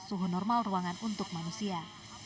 suhu normal ruangan untuk manusia